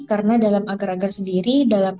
karena dalam agar agar sendiri